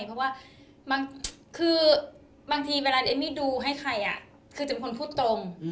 เพราะว่าคือบางทีเวลาเอมมี่ดูให้ใครคือจะเป็นคนพูดตรง